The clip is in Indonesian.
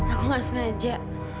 aku gak semangat